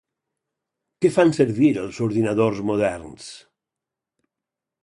Què fan servir els ordinadors moderns?